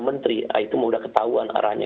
menteri itu mudah ketahuan arahnya